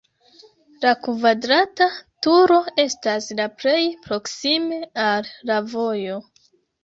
La kvadrata turo estas la plej proksime al la vojo.